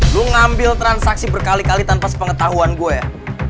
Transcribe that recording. lu ngambil transaksi berkali kali tanpa sepengetahuan gua ya